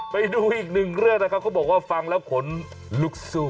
ไปดูอีกหนึ่งเรื่องเค้าบอกว่าฟังแล้วขนลรุกซู